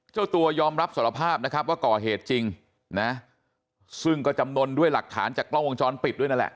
เจ้าตัวยอมรับสารภาพนะครับว่าก่อเหตุจริงนะซึ่งก็จำนวนด้วยหลักฐานจากกล้องวงจรปิดด้วยนั่นแหละ